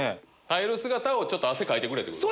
耐える姿をちょっと汗かいてくれってこと。